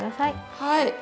はい。